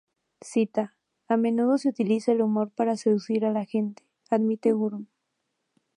Cita: "A menudo se utiliza el humor para seducir a la gente", admite Wurm.